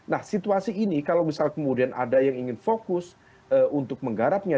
nah situasi ini kalau misal kemudian ada yang ingin fokus untuk menggarapnya